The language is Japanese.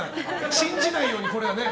信じないように、これはね。